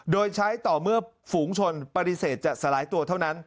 โดยใช้ต่อเมื่อฝูงชนปฏิเสธจะสลายตัวเท่านั้น